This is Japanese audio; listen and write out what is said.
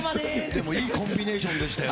でもいいコンビネーションでしたよ。